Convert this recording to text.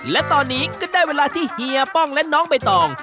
และตอนนี้ก็ได้เวลาที่เฮียป้องและน้องใบตอง